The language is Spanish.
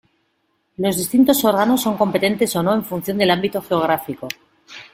Los distintos órganos son competentes o no en función del ámbito geográfico.